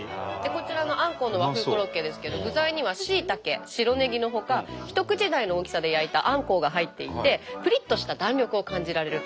こちらのあんこうの和風コロッケですけれど具材にはしいたけ白ねぎのほか一口大の大きさで焼いたあんこうが入っていてぷりっとした弾力を感じられる。